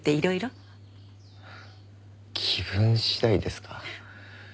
気分次第ですか。